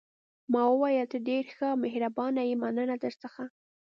ما وویل: ته ډېره ښه او مهربانه یې، مننه درڅخه.